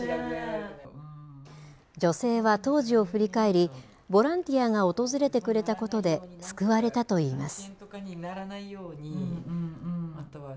女性は当時を振り返りボランティアが訪れてくれたことで救われたと言います。